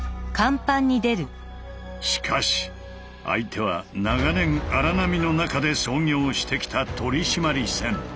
しかし相手は長年荒波の中で操業してきた取締船。